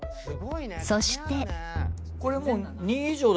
［そして］